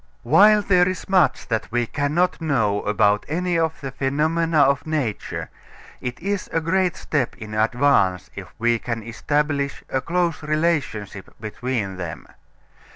While there is much that we cannot know about any of the phenomena of nature, it is a great step in advance if we can establish a close relationship between them.